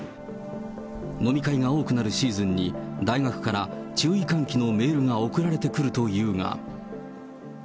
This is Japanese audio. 飲み会が多くなるシーズンに、大学から注意喚起のメールが送られてくるというが。